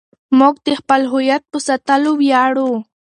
موږ د خپل هویت په ساتلو ویاړو.